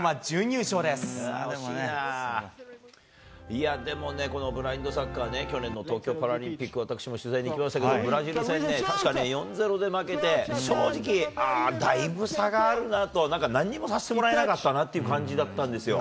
いや、でもね、このブラインドサッカーね、去年の東京パラリンピック、私も取材に行きましたけど、ブラジル戦ね、確か４ー０で負けて、正直、ああ、だいぶ差があるなと、なんか何もさせてもらえなかったなという感じだったんですよ。